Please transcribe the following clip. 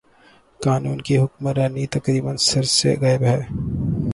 قانون کی حکمرانی تقریبا سر ے سے غائب ہے۔